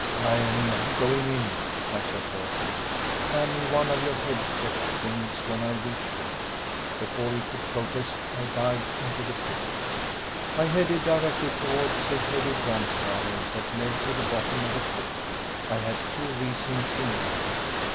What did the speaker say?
"I'm going in," I said hoarsely. "Hand me one of your head set things when I reach for it." Before he could protest, I dived into the pool. I headed directly towards the heavy bronze ladder that led to the bottom of the pool. I had two reasons in mind.